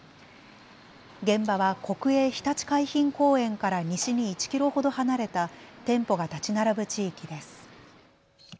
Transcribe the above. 現場は国営ひたち海浜公園から西に１キロほど離れた店舗が建ち並ぶ地域です。